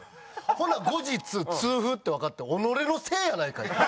ほんなら後日痛風ってわかって「己のせいやないかい！」。